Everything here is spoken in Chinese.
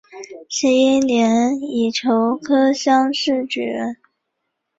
十一年乙酉科乡试举人。